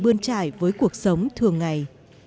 bươn trải với cuộc sống thường ngày